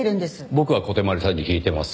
僕は小手鞠さんに聞いてます。